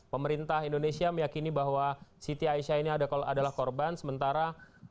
pemerintah indonesia meyakinkan bahwa siti aisyah ini tidak terkendala atau mengalami keterlibatan saudara aisyah di mata publik malaysia